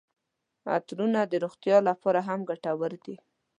عطرونه د روغتیا لپاره هم ګټور دي.